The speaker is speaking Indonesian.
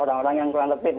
orang orang yang kurang lebih